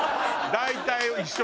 大体一緒。